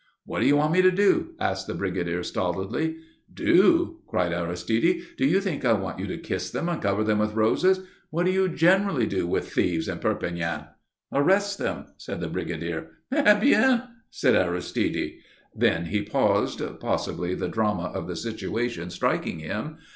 "What do you want me to do?" asked the brigadier stolidly. "Do?" cried Aristide. "Do you think I want you to kiss them and cover them with roses? What do you generally do with thieves in Perpignan?" "Arrest them," said the brigadier. "Eh bien!" said Aristide. Then he paused possibly the drama of the situation striking him.